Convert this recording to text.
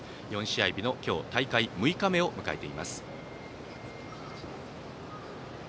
４試合日の大会６日目を迎えています。